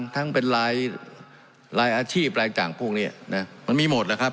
ทั้งเป็นหลายอาชีพหลายกลางพวกนี้มันมีหมดนะครับ